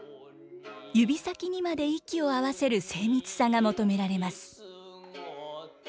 指先にまで息を合わせる精密さが求められます。